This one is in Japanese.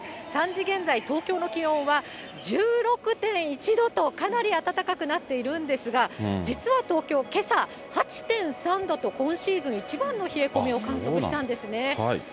３時現在、東京の気温は１６．１度と、かなり暖かくなっているんですが、実は東京、けさ、８．３度と、今シーズン一番の冷え込みをかんそくしたんですね。